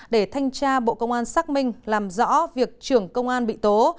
để thanh tra bộ công an xác minh làm rõ việc trưởng công an bị tố